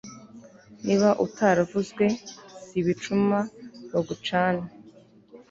niba utaravuzwe, si ibicuma bagucana